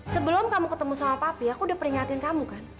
sebelum kamu ketemu sama papi aku udah peringatin kamu kan